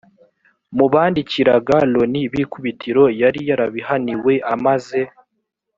mu bandikiraga loni b ikubitiro yari yarabihaniwe amaze